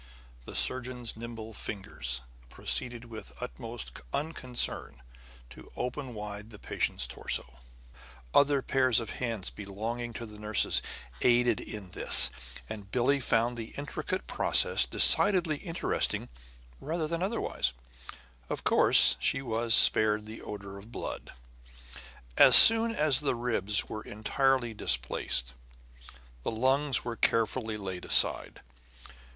The surgeon's nimble fingers proceeded with the utmost unconcern to open wide the patient's torso. Other pairs of hands, belonging to nurses, aided in this; and Billie found the intricate process decidedly interesting rather than otherwise. Of course she was spared the odor of blood. As soon as the ribs were entirely displaced, the lungs were carefully laid aside.